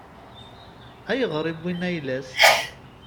Ayɣer i wwin ayla-s?